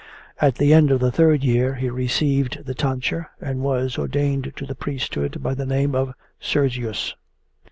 At the end of the third year he received the tonsure and was ordained to the priesthood by the name of Sergius.